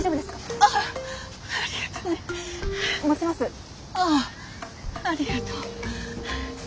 あっありがとう。